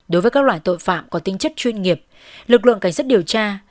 đối với các loại tội phạm có tính chất chuyên nghiệp lực lượng cảnh sát điều tra